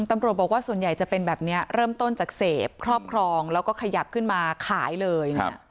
ตำรวจบอกว่าส่วนใหญ่จะเป็นแบบนี้เริ่มต้นจากเสพครอบครองแล้วก็ขยับขึ้นมาขายเลย